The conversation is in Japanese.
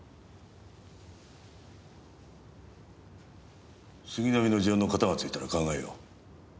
杉並の事案のカタがついたら考えよう。